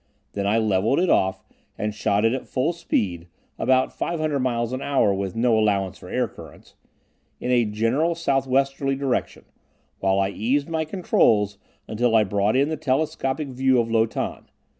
Then I levelled it off, and shot it at full speed (about 500 miles an hour with no allowance for air currents) in a general southwesterly direction, while I eased my controls until I brought in the telescopic view of Lo Tan.